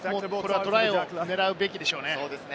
トライを狙うべきでしょうね。